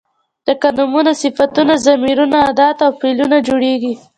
لکه نومونه، صفتونه، ضمیرونه، ادات او فعلونه جوړیږي.